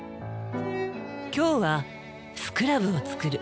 今日はスクラブを作る。